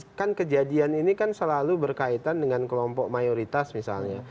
karena kan kejadian ini kan selalu berkaitan dengan kelompok mayoritas misalnya